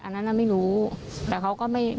อันนั้นเราไม่รู้แต่เขาก็ไม่ติดต่อ